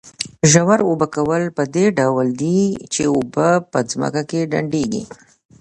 ژور اوبه کول په دې ډول دي چې اوبه په ځمکه کې ډنډېږي.